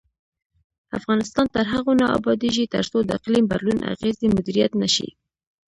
افغانستان تر هغو نه ابادیږي، ترڅو د اقلیم بدلون اغیزې مدیریت نشي.